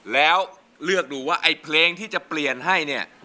แล้วเลือกดูว่าไอ้เพลงที่จะเปลี่ยนให้เนี่ย